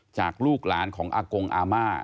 ลูกหลานของอากงอาม่า